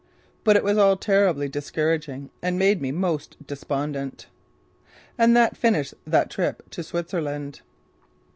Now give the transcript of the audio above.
But it was all terribly discouraging and made me most despondent. And that finished that trip to Switzerland.